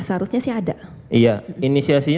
seharusnya sih ada iya inisiasinya